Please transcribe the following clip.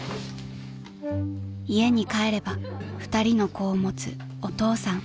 ［家に帰れば２人の子を持つお父さん］